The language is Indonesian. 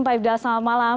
pak ifdal selamat malam